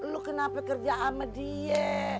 lu kenapa kerja sama dia